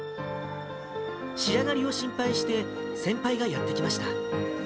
仕上がりを心配して、先輩がやって来ました。